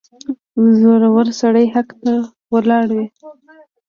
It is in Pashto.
• زړور سړی حق ته ولاړ وي.